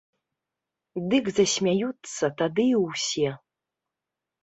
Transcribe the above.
Дык засмяюцца тады і ўсе.